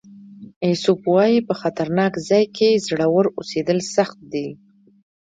ایسوپ وایي په خطرناک ځای کې زړور اوسېدل سخت دي.